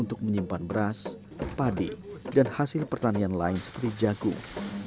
untuk menyimpan beras padi dan hasil pertanian lain seperti jagung